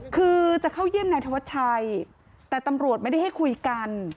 คือจะเข้าเยี่ยมนายธวัชชัยแต่ตำรวจไม่ได้ให้คุยกัน